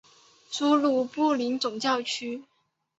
属卢布林总教区。